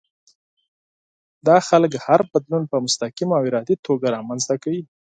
دا خلک هر بدلون په مستقيمه او ارادي توګه رامنځته کوي.